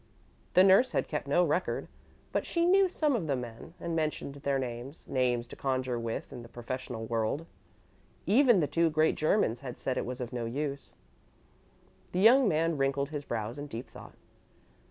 The nurse had kept no record, but she knew some of the men, and mentioned their names names to conjure with in the professional world. Even the two great Germans had said it was of no use. The young man wrinkled his brows in deep thought.